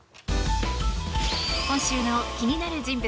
今週の気になる人物